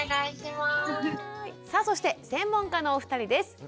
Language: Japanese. さあそして専門家のお二人です。